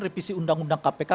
repisi undang undang kpk